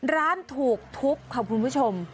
ร้านถูกทุบค่ะคุณผู้ชม